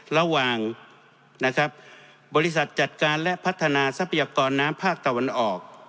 ระหว่างนะครับบริษัทจัดการและพัฒนาทรัพยากรน้ำภาคตะวันออก